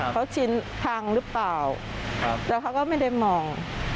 เขาชินพังหรือเปล่าแล้วเขาก็ไม่ได้มอง